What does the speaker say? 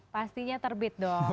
pastinya terbit dong